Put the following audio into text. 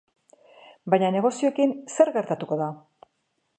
Baina negozioekin zer gertatuko da?